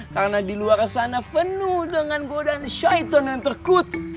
karena di luar sana penuh dengan godaan syaitan yang terkutuk